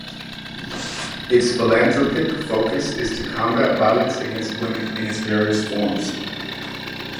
Its philanthropic focus is to combat violence against women in its various forms.